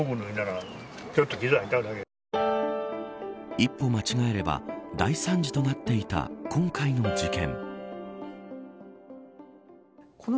一歩間違えば大惨事となっていた今回の事件。